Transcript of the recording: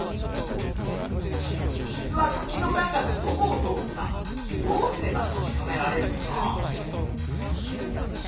水はくきの中のどこを通るかどうすれば確かめられるかな？